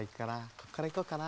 こっからいこうかな。